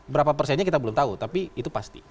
berapa persennya kita belum tahu tapi itu pasti